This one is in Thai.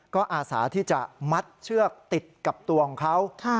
ก็อาสาที่จะมัดเชือกติดกับตัวของเขา